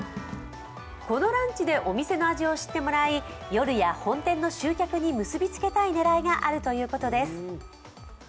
このランチでお店の味を知ってもらい夜や本店の集客に結びつけたい狙いがあるということです。